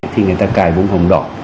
thì người ta cài bông hồng đỏ